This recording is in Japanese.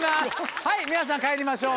はい皆さん帰りましょう。